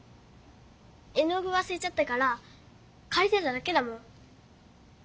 絵の具わすれちゃったからかりてただけだもん。